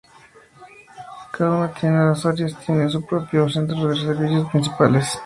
Cada una de las áreas tiene sus propios centros de servicios principales.